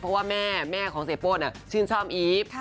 เพราะว่าแม่แม่ของเสียโป้ชื่นชอบอีฟ